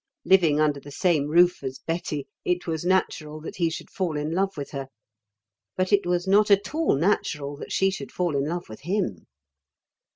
Living under the same roof as Betty, it was natural that he should fall in love with her. But it was not at all natural that she should fall in love with him.